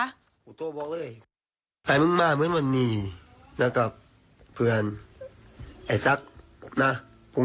อะเดี๋ยวผมนี้เจ๊ชัยเจอกันกัดผมเจ๊ชัยเจอกัน